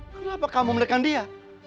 kenapa kamu mendekat dia